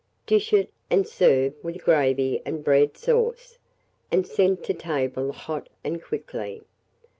Dish it, and serve with gravy and bread sauce, and send to table hot and quickly.